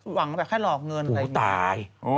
หวังแบบแค่หลอกเงินอะไรอย่างนี้